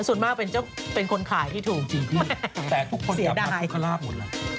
ส่วนมากเป็นคนขายที่ถูกจริงแต่ทุกคนกลับมาทุกคราบหมด